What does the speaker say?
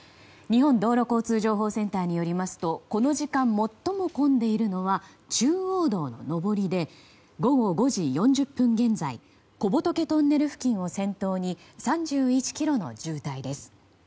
日本道路交通情報センターによりますとこの時間、最も混んでいるのは中央道の上りで午後５時４０分現在小仏トンネル付近を先頭に３１ｋｍの渋滞です。